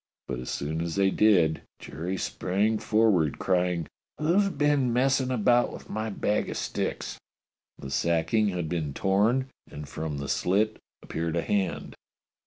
But as soon as they did Jerry sprang forward crying :" ^^'llo's been messing about with my bag o' sticks .^^" The sacking had been torn, and from the slit appeared a hand.